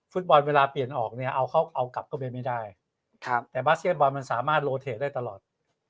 ฟุตบอลเวลาเปลี่ยนออกเนี่ยเอาเขาเอากลับเข้าไปไม่ได้แต่บาสเก็ตบอลมันสามารถโลเทได้ตลอด